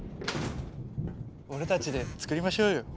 俺たちで作りましょうよ。